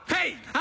あ？